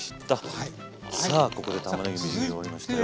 さあここでたまねぎのみじん切り終わりましたよ。